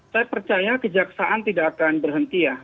saya percaya kejaksaan tidak akan berhenti ya